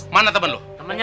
mana temen lu